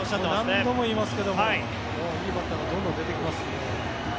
何度も言いますけどもいいバッターがどんどん出てきますんでね。